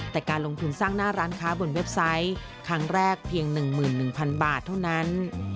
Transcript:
แต่การลงทุนสร้างหน้าร้านค้าบนเว็บไซต์ครั้งแรกเพียง๑๑๐๐๐บาทเท่านั้น